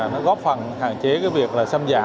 nó góp phần hạn chế việc xâm giả